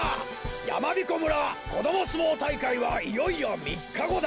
やまびこ村こどもすもうたいかいはいよいよみっかごだ。